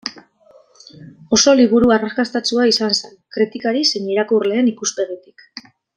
Oso liburu arrakastatsua izan zen, kritikari zein irakurleen ikuspegitik.